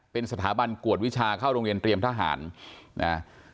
เป็นสถาบันกวดวิชาเข้าโรงเรียนเตรียมทหารนะ